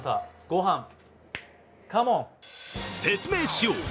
説明しよう！